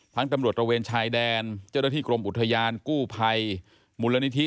ตำรวจตระเวนชายแดนเจ้าหน้าที่กรมอุทยานกู้ภัยมูลนิธิ